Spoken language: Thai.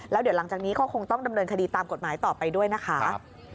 แล้วเดี๋ยวหลังจากนี้ก็คงต้องดำเนินคดีตามกฎหมายต่อไปด้วยนะคะ